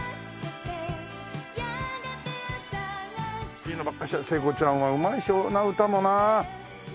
いいのばっかり聖子ちゃんはうまいしな歌もなあ。